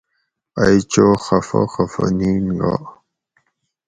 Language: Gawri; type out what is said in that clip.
ائی چو خفہ خفہ نِین گا